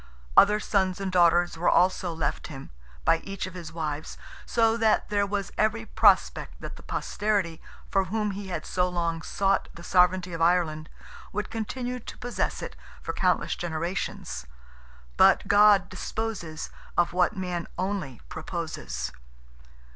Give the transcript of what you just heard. Other sons and daughters were also left him, by each of his wives, so that there was every prospect that the posterity for whom he had so long sought the sovereignty of Ireland, would continue to possess it for countless generations. But God disposes of what man only proposes!